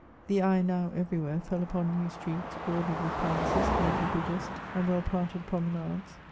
The eye now everywhere fell upon new streets, boraered with palaces, noble bridges, and well planted prome nades.